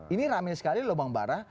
ini rame sekali loh bang bara